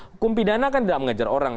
hukum pidana kan tidak mengejar orang